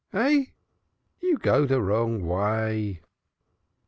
Hey? You go de wrong vay."